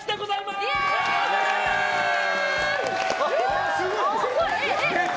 すごい！